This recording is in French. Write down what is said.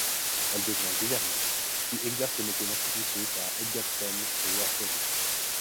Elle devient gouvernante, puis exerce le métier d'institutrice à Edgbaston et Worthing.